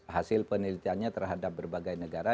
hasil penelitiannya terhadap berbagai negara